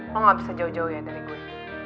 lo gak bisa jauh jauh ya dari guru